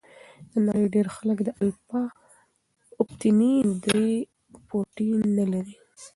د نړۍ ډېر خلک د الفا اکتینین درې پروټین نه لري.